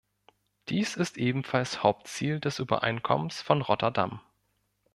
Dies ist ebenfalls Hauptziel des Übereinkommens von Rotterdam.